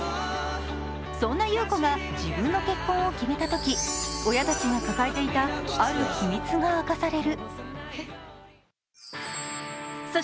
そんな優子が自分の結婚を決めたとき親たちが抱えていた、ある秘密が明かされる。